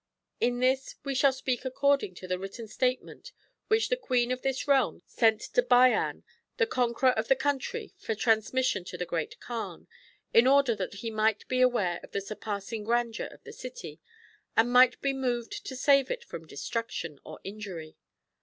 In this we shall speak according to the written statement which the Queen of this Realm sent to Bayan the conqueror of the country for transmission to the Great Kaan, in order that he might be aware of the surpassing grandeur of the city and might be moved to save it from destruction or injury.